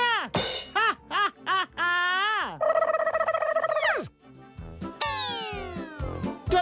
ฮ่าฮ่าฮ่าฮ่า